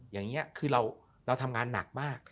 อย่างนี้คือเราทำงานหนักมาก